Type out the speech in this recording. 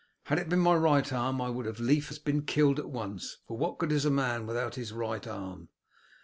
Had it been my right arm I would as lief have been killed at once, for what good is a man without his right arm?"